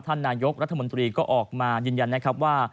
ท่านนายกรัฐมนตรีก็ออกมายืนยันนะครับว่า